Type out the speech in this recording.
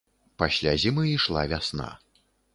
Пасля зімы ішла вясна.